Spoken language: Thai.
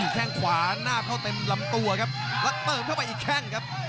แค่งขวาหน้าเข้าเต็มลำตัวครับแล้วเติมเข้าไปอีกแข้งครับ